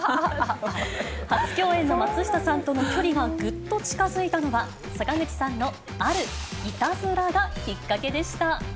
初共演の松下さんとの距離がぐっと近づいたのは、坂口さんのあるいたずらがきっかけでした。